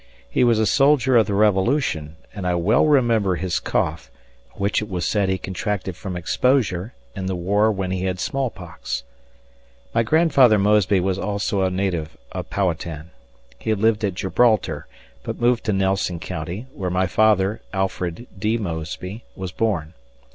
He was a soldier of the Revolution, and I well remember his cough, which it was said he contracted from exposure in the war when he had smallpox. My grandfather Mosby was also a native of Powhatan. He lived at Gibraltar, but moved to Nelson County, where my father, Alfred D. Mosby, was born.